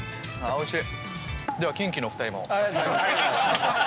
おいしい。